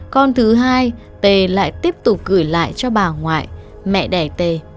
con thứ hai t lại tiếp tục gửi lại cho bà ngoại mẹ đẻ tê